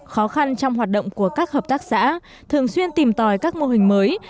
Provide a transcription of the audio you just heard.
khó khăn trong hoạt động của các hợp tác xã thường xuyên tìm tòi các mô hình mới